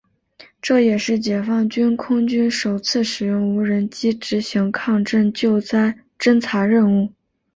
这也是解放军空军首次使用无人机执行抗震救灾侦察任务。